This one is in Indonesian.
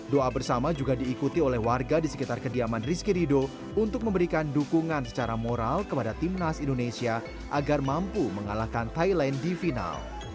doa bersama juga diikuti oleh warga di sekitar kediaman rizky rido untuk memberikan dukungan secara moral kepada timnas indonesia agar mampu mengalahkan thailand di final